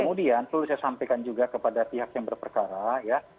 kemudian perlu saya sampaikan juga kepada pihak yang berperkara ya